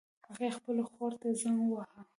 هغې خپلې خور ته زنګ وواهه